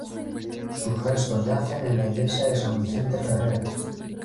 Sus restos yacen en la iglesia San Vicente Ferrer.